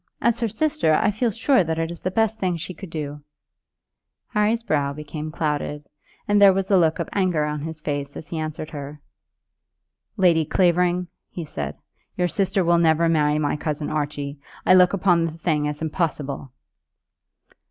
As her sister, I feel sure that it is the best thing she could do." Harry's brow became clouded, and there was a look of anger on his face as he answered her. "Lady Clavering," he said, "your sister will never marry my cousin Archie. I look upon the thing as impossible."